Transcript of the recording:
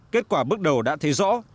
kết quả bước đầu đã thấy rõ